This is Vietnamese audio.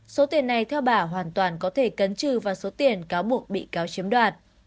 số tiền này theo bà hoàn toàn có thể cấn trừ vào số tiền cáo buộc bị cáo chiếm đoạt